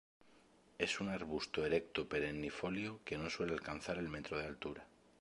Es un arbusto erecto perennifolio que no suele alcanzar el metro de altura.